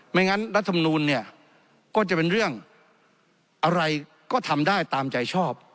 งั้นรัฐมนูลเนี่ยก็จะเป็นเรื่องอะไรก็ทำได้ตามใจชอบ